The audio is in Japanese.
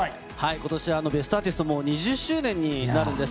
ことしはベストアーティスト、もう２０周年になるんです。